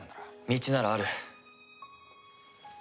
道ならある。